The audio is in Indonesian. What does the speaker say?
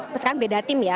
sekarang beda tim ya